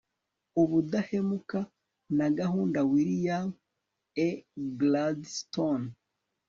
ubudahemuka na gahunda - william e gladstone